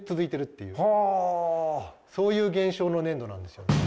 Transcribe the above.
そういう現象の粘土なんですよ。